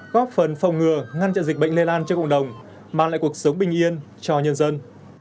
góp phần phòng ngừa ngăn chặn dịch bệnh lây lan cho cộng đồng mang lại cuộc sống bình yên cho nhân dân